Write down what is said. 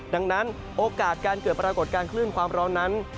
ดังนั้นโอกาสการเกิดปรากฏการณ์คลื่นความร้อนนั้น